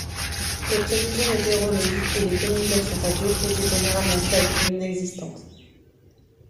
Les prévisions météorologiques et les communications radio étaient généralement faibles ou inexistantes.